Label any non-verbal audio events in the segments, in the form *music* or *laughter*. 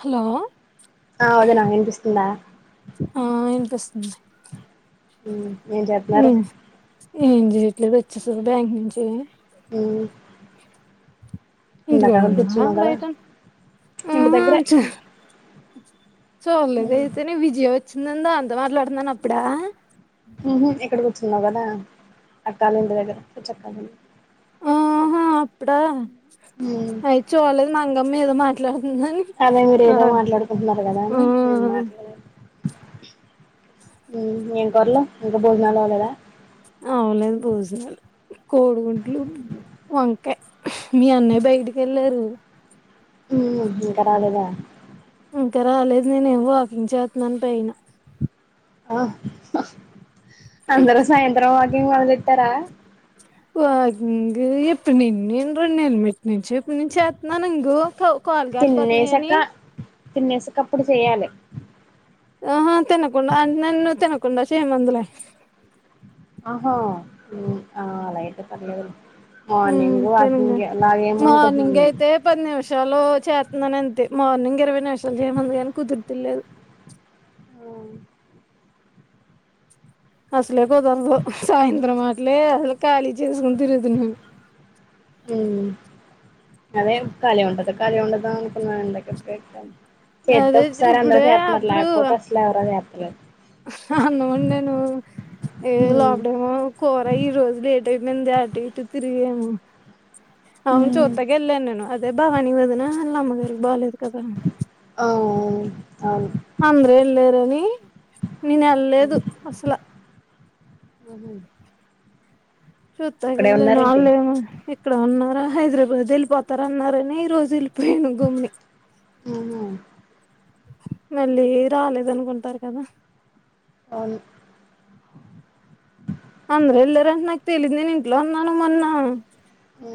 Hello ఆ వదిన వినిపిస్తుందా ఆ వినిపిస్తుంది ఉమ్ ఏం చేత్తున్నారు ఏం చేయట్లేదు వచ్చేసు బ్యాంక్ నుంచి అ అ ఇంటికాడ ఉన్నావా కూర్చున్నావు కదా బయట ఇంటి ఆహా దగ్గరే ఉమ్ చూడలేదయితే న విజయ వచ్చిందందా అంత మాట్లాడుతున్నాను అప్పుడా ఉహు ఇక్కడి కూర్చున్నావు కదా అక్కాలి ఇంటి దగ్గర చెప్పాలడి ఆహా అప్పుడా ఉమ్ అయి చూలేదు మంగమ్ మీదో మాట్లాడు అదే మీరు ఏదో మాట్లాడుకుంటున్నారు కదా నేం మాట్లాడలే ఎం కూరలు ఇంకా భోజనాలు అవ్వలేదా ఆ అవలేదు కోడిగుడ్లు వంకాయ్ మీ అన్నయ బయటికి వెళ్ళారు మ్ ఇంకా రాలేదా ఇంకా రాలేదు నేనే ఏమో వాకింగ్ చేస్తన్నాను పైన ఆ అందరూ సాయంత్రం వాకింగ్ మొదలెట్టారా వాంకింగ్ ఎప్పుడు నుండి నేను రెండు నెల్ల మట్ నుంచి ఎప్పుడు నుంచి చేతున్నాను ఇంగో కాలు గాలిపోతున్నాయ్ అని తినేసక అప్పుడు చెయాలి ఆహా తినకుండా అంటే నన్న తినకుండా చెయ్యమందిలే ఆహో ఆ అలాయితే పర్లేదులే ఉమ్ తెనుంగా అనుకుంటున్నాను మార్నింగ్ అయితే పది నిమిషాలు చే తున్నాను అంతే మార్నింగ్ ఇరవై నిమిషాలు చేయమంది కానీ కుదుర్తలేదు హొ అసలే కుదరదు సాయంత్రం అటలే అసలు ఖాళీ చేసుకుని తిరుగుతున్నాను మ్ అదే కాలి ఉంటదా కాలి ఉండదొ అనుకున్నాను ఇందాక ఎప్పుడో ఎక్క చెత్తే అదే ఒకసారి అందరూ ఇప్పుడే చేతున్నారు అప్పుడు లేకపోతే అసలు ఎవరు చే అన్నం వొండాను ఏ ఉమ్ లోపడేమో కూర ఈ రోజులు లే ట్ అయిపోయింది అటు ఇటూ తిరిగాము అవును ఉమ్, చూతాకి వెళ్ళాను నేను దే భవాని వదిన ఆల్ల అమ్మ దగ్గరికి పోలేదు కదా ఓ అవును అవును ఆంధ్రా ఏళ్లారని నేను ఉమ్, ఎల్లేదు అసల ఉహు చూత్తాకి ఇక్కడే ఏళ్ళాను ఉన్నారేంటి అల్లెమ్మో ఇక్కడే ఉన్నారా హైదరాబాద్ వెళ్ళిపోతారు అన్నారని ఈ రోజు ఎ పోయాను గమ్ముని ఉహు మళ్ళీ రాలేదు అనుకుంటారు కదా అవును అందరు వెళ్ళారంటే నాకు తెలీదు నేను ఇంట్లో ఉన్నాను మొన్న మ్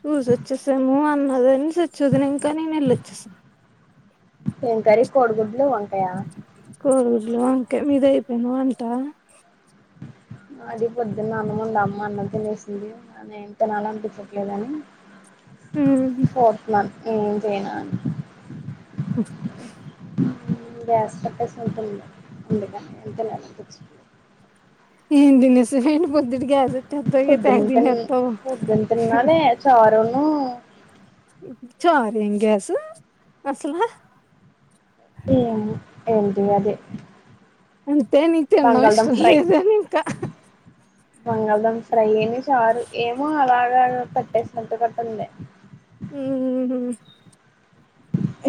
చూసి వచ్చేసాము అన్నదని సిచ్చూ వదిన ఇంకా నేను వెళ్ళొచ్చేసాము ఏం కర్రీ కోడిగుడ్లు వంకాయా కే మీది అయిపోయిందా వంట మాది పొద్దున్న అన్నం ఉంది అమ్మ అన్నం తినేసింది నా నేం తినాలనిపించట్లేదని హు ఫోర్త్ మంత్ ఏం చేయినా మ్ గ్యాస్ కట్టేసి ఉంటుంది ముందుగా అందుకే లేనిపచ్చుంది ఏం తినేశావ్ ఏంటి పోదున్న గ్యా ఏదో తెబ్బ పెద్ద తెగ పొద్దున తిన్ తిన్నట్టో పొద్దున తిన్నదే చారును చరేమ్ గ్యాస్సు అసల ఏంది ఏంటి అది అంతే నీకు తినడం బంగాళదుంప ఇష్టం ఫ్రై లేదు ఇంక బంగాళదుంప ఫ్రై ఈని చారు ఏమో అలాగా పెట్టేసినట్టు గొట్టఉంది ఉహుహు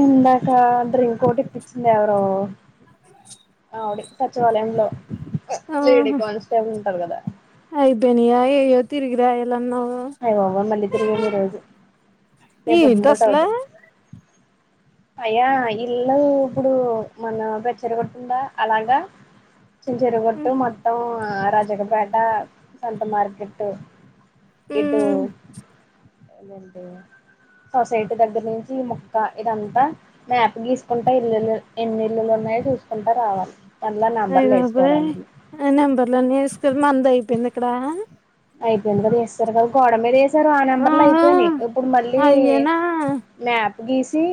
ఇందాక డ్రింక్ ఒకటి ఇప్పించింది ఎవరో ఆవిడి సచివాలయంలో లేడీ కానిస్టేబుల్ ఉంటాది కదా అయిబేనియా ఏయ్యో తిరిగి రాయాలి అన్నావ్ అయ్యా బాబోయ్ మళ్ళీ తిరిగాం ఈ రోజు రేపొద్దు ఏంటి తోటి అసలా ఔట్ ఎ అయ్యా ఇల్లు ఇప్పుడు మన పెచ్చరగతుందా అలాగా చి చిరిగుట్టు ఉమ్ మొత్తం రజకపేట సంత మార్కెట్ ఏటో ఏంట సొసైటీ దగ్గర నుంచి ఈ ముక్క ఇదంతా మ్యాప్ గీసుకుంటే ఇల్లులు ఎన్ని ఇల్లులున్నా న్నాయ చూసుకుంటా రావాలి మళ్ళ అయ నెంబర్లు వేసుకోవాలి బాబాయ్ అందులో నెంబర్లన్న వేసుకుల మంద అయిపోయింది ఇక్కడ ఐదు వందలు వేస్తారు కదా గోడ మీద వేస్తారు సారు ఆ నెంబర్ లో ఆహా అయిపోయినాయి ఇప్పుడు మళ్ళ అయ్యేనా మ్యాప్ గీసి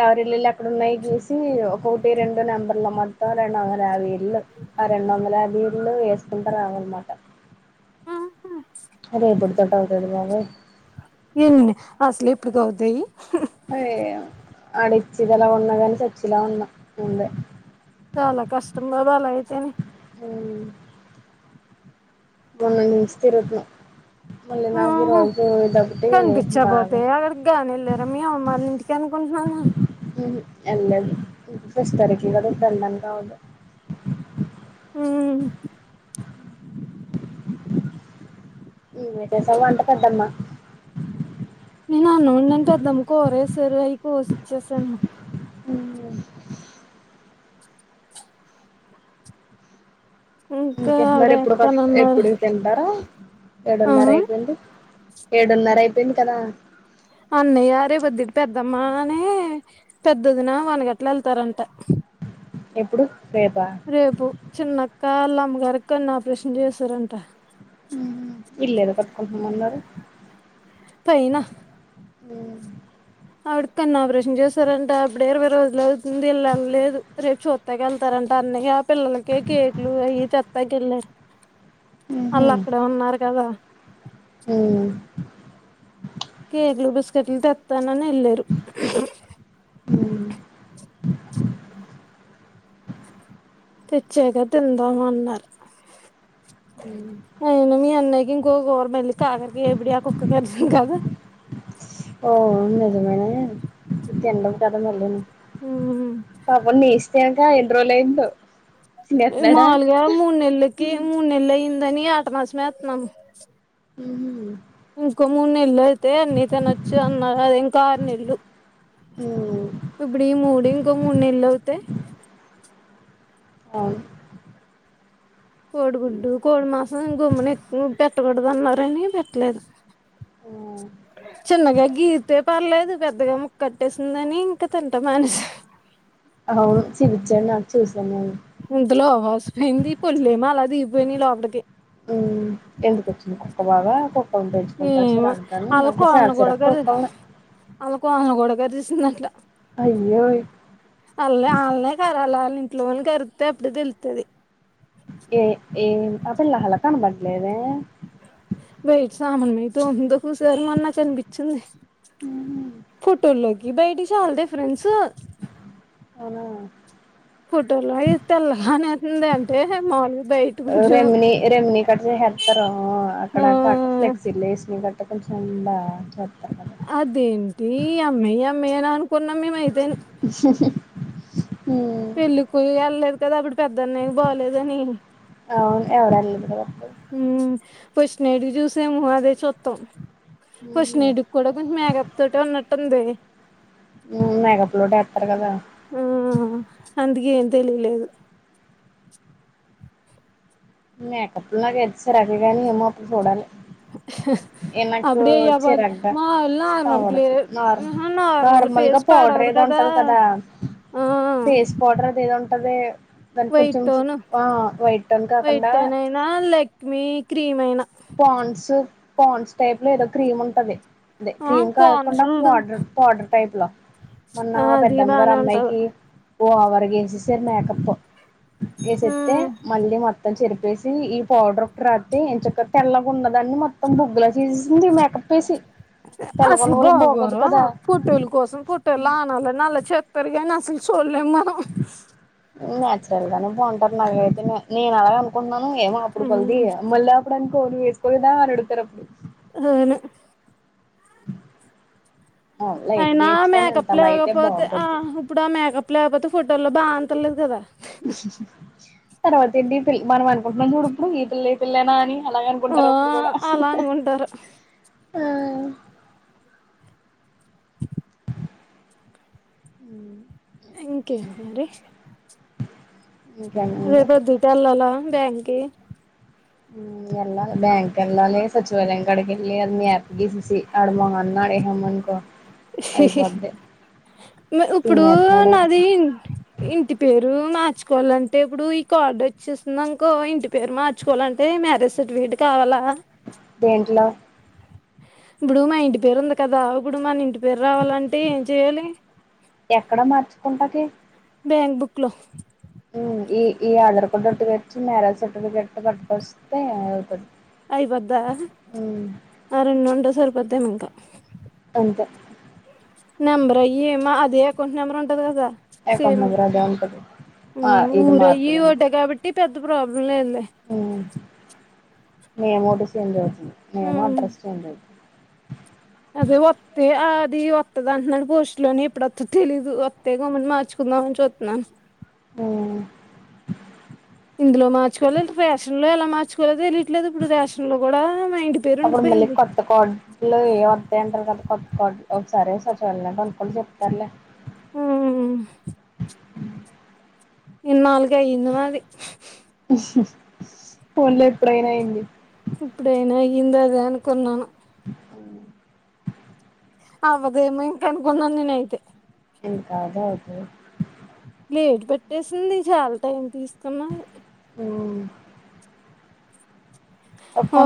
ఎవరి ఇల్లుళ్ళ ఎక్కడ ఉన్నాయి గీసి ఒకటి రెండు నెంబర్ ఇళ్ల మొత్తం రెండు వందల యాభై ఇల్లు ఆ రెండు వందల యాభ ఇళ్లు వేసుకుంటారుామనమాట ఆహా అదేప్పుడుత ట ఒక తడుల ఏముంది అసలే ఇప్పుడకి అవుతాయి ఆడోచ్చేది ఎలా ఉన్న కాని సచ్చేలా ఉన్న ముందే వాళ్ళయితేనే మ్ మన్న మిస్ తెరపి ఆహా కనిపిచ్చాకపోతే బాగా ఆడ అడగ్గానె లేద మీ అమ్మాళ్ళింటి చను కొసమనీ ఉహు ఏళ్లలేదు *unintelligible* ఆ నీవే చేశావ్ వంట పెద్దమ్మ నేను అన్నం వండాను పెద్దమ్మ కూరేశారు అయి కోసిచ్చేశాను. ఇంకా ఇంక ఆవిడ మరి ఎప్పుడు ఎస్తానన్నారు ఎప్పుడు తింటారా ఎడున్నర ఆహా అయిపోయింది ఏడున్నర అయిపోయింది కదా నే పెద్దొద్దిన వాన గట్ల ఎళ్తారంటె ఎప్పుడు రేపా రేపు చిన్నక్క ఆళ్లమ్మగారికి కన్ను ఆపరేషన్ చేసారంట. మ్ ఇల్లేదో కట్టుకుంటామన్నారు పయిన మ్ ఆవిడికి కన్నాపరేషన్ చేశారంట అప్పుడే ఇరవై రోజులు అవుతుంది వీళ్ళనలేదు రేపు చూత్తాకెళ్తారంట. ఫన్నీగా పిల్లలకి కేకులు అయి తెత్తానికి ఎళ్లారు వాళ్ అక్కడే ఉన్నారు కదా కేకులు బిస్కెట్లు తెత్తానని ఎళ్లారు మ్ తెచ్చాగ తిందామన్నారు మ్ ఇంకో గోరమేళ్లి కాకరకాయ ఇబ్బుడే ఆ కుక్క కరిసింది కదా ఓ నిజమేనె తినడం కదా మళ్ళీను పాపం నీస్ తినక ఎన్ని రోజులైందో మాముూలుగా మూడు నెల్లకి మూడు నెల్లు అయిందని ఆట మాసమేతున్నాను మ్ ఇంకో మూడు నెల్లు అయితే అన్ని తినచ్చు అన్నారు అదింకా ఆరు నెల్లు ఇప్పుడు ఈ మూడు ఇంకో మూడు నెల్లవుతే అవును కోడిగుడ్డు కోడి మాసం గుమ్మున ఎక్కువ పెట్టకూడదు అన్నారని పెట్టలేదు చిన్నగా గీరితే పర్లేదు పెద్దగా ముక్కట్టేసిందని ఇంకా తింటం మానేస. అవును చూపించాడు నాకు చూసాను నేను ఇంతలో ఆవాస్ పోయింది పుల్లేమో అలా దిగిపోయినాయి లోపటికి మ్ ఎందుకొచ్చింది కుక్క బాగా కు మ్ ఆళ్ళు కోనలు కూడ చిరాకు కడగ కుక్కల్ని. ఆల్ కోనలు కూడా ఎవరు చూసినా అట్ల అయ్యో! అయ్యో అల్లనే కరవలా ని అట్లోని కరిత్తె అప్పుడు తెలుత్తది ఏ ఏ ఆ పిల్ల హల కనబల్లెద బయట సామాన్మయితో ఉందో కూసారు అ నాకునిపించింది హుహు. ఫొటోల్లోకి ఈ బైటి చాలా డిఫరెన్స్ అనా ఫోటోల్లో ఇ తెల్ల అనేంది అంటే మాలుగా రెమిినీ రెమిినీ కట్ చేసేస్తారు ఆ అక్కడ కట్ ఫ్లెక్సీ లేేస్ని కట్ట అ కొంచండ అదేంటి అమ్మాయి అమ్మాయిని అనుకున్నాం మేము ఐతెను హ్మ్. పెళ్లికిఏళ్లేదు కదా అప్పుడు పెద్దన్నయకి బాలేదని అవును ఎవరెళ్లేదు ఉ ఫస్ట్ నైట్ కి చూసేము అదే చొత్తాం ఫస్ట్ హుహు. నైట్ కి కూడా కొంచం మేకప్ తోటె ఉన్నట్టుంది హ్మ్. మేకప్‌లోటేత్తారు కదా! ఆ అందుకే ఏంటి తెలిలేదు మేకప్లు లాగు ఎస్సెసరు అవి గని ఏమో అప్పుడు చూడాలి ఎనకు అప్పుడే యవ్వద్ వచ్చీరంట మాములు నార్మల్ గ్లే తనదు నార్ ఆహా నార్మల్ నార్మల్గా ఫేస్ పౌడర్ పాడవదు ఏదో ఉంటది కదా ఆ ఫేస్ పౌడర్ అది ఏదో ఉంటది దానికి వైట్ కొంచెం టోన్ ఆ వైట్ టోన్ కాకుండా వెయిటోన్ అయినా లెక్మి క్రీమ్ అయినా కోన్స్ టైప్ లో ఏదో క్రీమ్ ఉంటది అదే ఆ క్రీమ్ పాండ్స్ కాకుండా పౌడర్ పౌడర్ టైప్ లో మొన్న అది పెద్దమ్మ గారు బానే ఉంటది అమ్మాయికి ఓ ఆవర్ గేసేసారు మేకప్ వేసేస్తే ఉమ్ మళ్ళీ మొత్తం ని చెరిపేసి ఈ పౌడర్ ఒకటి రత్తే ఎంచక్క తెల్లగున్నదాన్ని మొత్తం బొగ్గుల చేసేసింది మేకప్ వేసి తెల్లగున్న అసలు వాళ్ళకి బాగోదు బాగోరా కదా ఫోటోలు కోసం ఫోటోలు అనాల నల చెత్తరగానాస్త అసలు చుల్లెం మనం నేచురల్ గానే బాగుంటారు నాైతే నేను అలాగ అనుకుంటున్నాను ఏమో అప్పుడుకల్ది ఉమ్ మళ్ళీ అప్పుడు కోడ్ వేసుకోొదా అని అడుగుతారు అప్పుడు అవును లైట్గా అయినా వేయొచ్చు కానీ అంత మేకప్ అలా అయితే లేకపోతే ఆ బాగోదు ఇప్పుడ మేకప్ లేకపోతే ఫోటోల్లో బా అంటలేదు కదా తర్వాత ఏంటి మనం అనుకుంటున్నాం చూడు ఇప్పుడు ఈ పిల్ల ఈ పిల్లెనా అని అలాగ ఆ అనుకుంటారు అప్పుడు కూడా అలా అనుకుంటారు ఆ ఇంకేంటి మరి ఇంకేముంది రేపుద్దిట ఎల్లల బ్యాంకి ఎల్లా బ్యాంక్ ఎల్లాలి సచివాలయం కడకిళ్లి అన్నిఅప్పగేసేసి ఆడి మొహం నా ఐహోమ్ అనుకో అయిపొద్ది ఇప్పుడు నాది ఇంటి పేరు మా మార్చుకోవాలంటే ఇప్పుడు ఈ కార్డు వచేసిందనుకో ఇంటి పేరు మార్చుకోవాలంటే మ్యారేజ్ సర్టిఫికేట్ కావాలా దేంట్లో ఇప్పుడు మా ఇంటి పేరు ఉంది కదా గుడుమాని ఇంటి పేరు రావాలంటే ఏం చెయ్యాలి ఎక్కడ మార్చుకుంటాకి బ్యాంక్ బుక్ లో ఈ ఈ ఆధార్ కార్డు తట్టుకచ్చి మ్యారేజ్ సర్టిఫికెట్ ఏట్టుకొస్తే అ అయిపోద్దా ఆ రెండు ఉంటే సరిపోద్దేమో ఇంకా అంతే నెంబర్ అయి ఏ మా అదే అకౌంట్ నెంబర్ ఉంటది కదా అకౌంట్ సేమ్ నెంబర్ అదే ఉంటది ఆ ఉం ఇది ఊరయ్యి ఒకటే మారుతదంతే కాబట్టి పెద్ద ప్రాబ్లం లేదు లే మేమోటి సెం జోజీ నేమ్ ఉమ్ అడ్రస్ సెం జి *unintelligible* అదే వస్తే అది వత్తది అంటున్నాడు పోస్ట్లోని ఎప్పుడు వత్త తెలీదు వస్తే గమని మార్చుకు న *unintelligible* చతున్నా ఉం ఇందులో మార్చకోవాలి ఫేషన్ లో *unintelligible* ఎలా మార్చుకోవాలదు అప్పుడు మళ్ళీ ఉండిపోయింది కొత్త కాడ్లు ఏ వతాయింటారు కదా కొత్త కాడ్లు ఒకసారిే సచాలనే *unintelligible* పనుకులు చెప్తారులే ఉం ఇ నాలుగు అయ్యంది మాది ఫోన్ లే ఇప్పుడైనా అయింది ఇప్పుడైనా అయ్యింది అదే అనుకున్నాను అవ్వదు ఎమో ఇంక అనుకున్నాను నేను అయితే ఇంకా అదే అవుతాధి లీవ్ పెట్టేసింది చాలా టైం తీస్ ఓ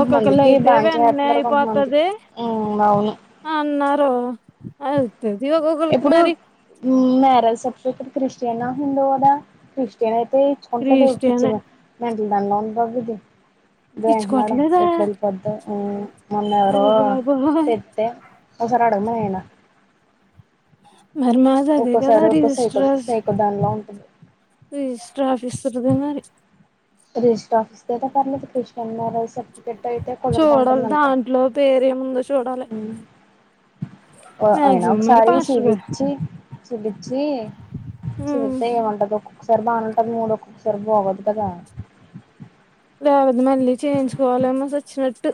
ఒక్కొక్కళ్ళు అయితే బానే వెంటనే చేసేస్తున్నారు కొంతమందికి అయిపోతది ఉం అవును అన్నారు అవుతది ఒకొహలికి మరి ఉం మ్యారేజ్ సర్టిఫికేట్ క్రిస్టియన్ ఆ హిందూవు దా క్రిస్టీ చంట్లా ఉటిచ్చ రిజిస్ట్రీనే *unintelligible* మెంట దా ఉ బది ఇదే మేడం ఇచ్చుకోవట్లేదా *unintelligible* ఏప్రిల్ పద్ద మొన్నవారు అయ్య బాబోయ్ పెతే ఒకస *unintelligible* రాడమయనా మరి మాది అదే కదా ఒక్కోసారి ఒక్కో సైకో రిజిస్టర్ రాస్ సైకో దానిలో ఉంటుంది రిజి రాపిస్తరు గా మరి రజిస్టర్ ఆఫిస్ే క్రిష *unintelligible* సర్టిఫికెట్ అయితే కుదరుతా చూడాలి ఆమ్టుందంట దాంట్లో పేరేముందో చూడాలి ఆ అయినా మాక్సిమం మరి ఒకసారి పాస్టర్ గారు చుపిచ్చి చిలిచ్చి ఉమ్ చిలితే *unintelligible* ఏమంటదు సరదా ఉంటది మూడు ఒక్కొక్క సారి బాగో దు కదా చట్టు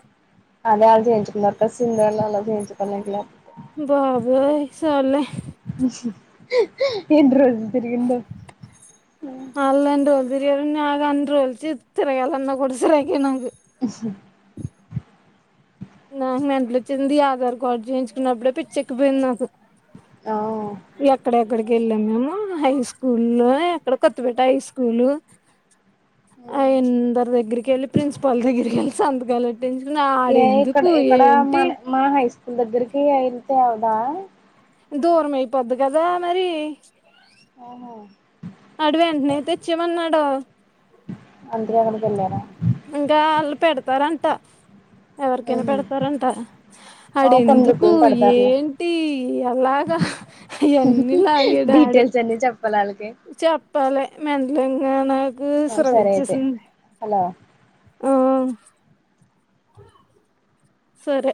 అదే ఆ జయించకు *unintelligible* సింద జేయించకు బాబోయ్ సాల్లే ఎన్ని రోజులు తిరిగిందో అల్ం రోల్ బిర్యానీ ఆ అంద రోల్చి తిరగలన్న కూడాసరకేన *unintelligible* హమ్ నాకు మెంటలు వచ్చింది ఈ ఆధార్ కార్డు చేయించుకున్నప్పుడే పిచ్చి ఎక్కిపోయింది నాకు ఆ ఎక్కడ ఎక్కడ వెళ్ళాము హై స్కూల్ లో ఎక్కడ కొత్తపేట హై స్కూల్ ఆ ఎందరి దగ్గరికి వెళ్ళి ప్రిన్సిపాల్ దగ్గరికి వెళ్ళి సంతకాలు ఎట్టించుకుని ఏ ఆడేందుకు ఇక్కడ ఇక్కడ మన మా హై స్కూల్ దగ్గరికి వెళ్తే అవుదా దూరం అయిపోద్ది కదా మరి ఆహా ఆడు వేంటనే తెచ్చే మన్నాడు అల్ ఇంకా వాళ్ళు పెడతారంట ఎవరికైనా ఉహు పెడతారంట అడ ఆ కొన్ని ఎందుకు దుక్కులు పెడతారులే ఏంటి ఎలా గా ఇవన్నీ లాగేడు వాడు. డీటెయిల్స్ అన్ని చెప్పాలి వాళ్ళకి చెప్పాలి మెంటలంగా నాకు సరే అయితే శ్రవించేసింది. హలో మ్ సరే